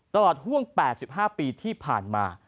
ตลอดห่วง๘๕ปีที่ผ่านมา